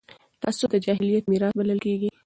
تعصب د جاهلیت میراث بلل کېږي